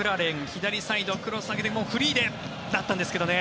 左サイド、クロス上げてフリーでだったんですけどね。